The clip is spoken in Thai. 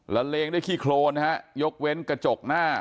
ละเลงได้ขี้โครนนะฮะยกเว้นกระจกหน้า